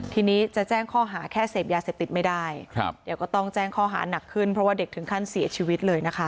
ทีนี้จะแจ้งข้อหาแค่เสพยาเสพติดไม่ได้เดี๋ยวก็ต้องแจ้งข้อหานักขึ้นเพราะว่าเด็กถึงขั้นเสียชีวิตเลยนะคะ